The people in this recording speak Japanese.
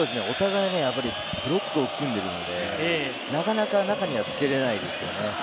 お互いブロックを組んでいるので、なかなか中にはつけれないですね。